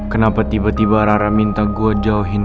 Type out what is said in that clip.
kenapa tiba tiba rara minta gua jauhin fero